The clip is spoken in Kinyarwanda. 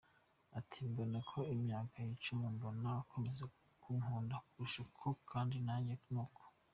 Ati, “Mbona uko imyaka yicuma mbona akomeza kunkunda kurushaho kandi nanjye ni uko”.